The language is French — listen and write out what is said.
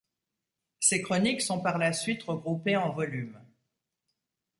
Ses chroniques sont par la suite regroupées en volumes.